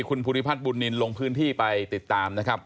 คุณภูริพัฒนบุญนินลงพื้นที่ไปติดตามนะครับ